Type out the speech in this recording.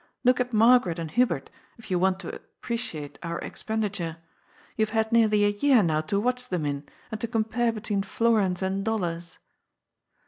Look at Margaret and Hubert, if you want to appreciate our expenditure. You have had nearly a year now to watch them in, and to compare be tween florins and dollars